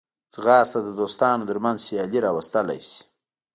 ځغاسته د دوستانو ترمنځ سیالي راوستلی شي